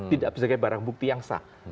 tidak bisa jadi barang bukti yang sah